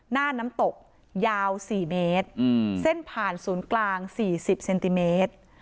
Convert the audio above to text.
น้ำตกยาว๔เมตรเส้นผ่านศูนย์กลาง๔๐เซนติเมตร